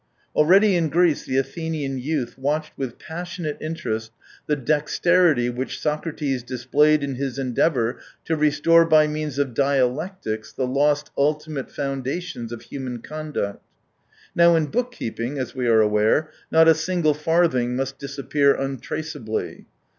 Already in Greece the Athenian youth watched with passionate interest the dexterity which Socrates displayed in his endeavour to restore by means of dialectics the lost " ultimate foundations " of human conduct. Now in book keeping, as we are aware, not a single farthing must disappear untraceably.